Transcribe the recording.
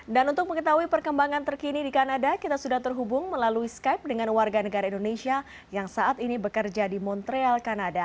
dan untuk mengetahui perkembangan terkini di kanada kita sudah terhubung melalui skype dengan warga negara indonesia yang saat ini bekerja di montreal kanada